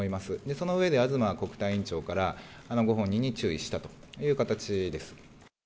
そのうえで、東国対委員長からご本人に注意したという形です。